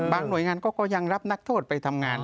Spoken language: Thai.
หน่วยงานก็ยังรับนักโทษไปทำงาน